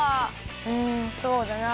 うんそうだな。